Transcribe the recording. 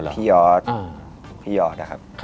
พี่ยอร์ด